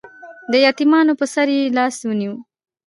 د یتیمانو په سر یې لاس ونیو